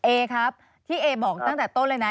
เอครับที่เอบอกตั้งแต่ต้นเลยนะ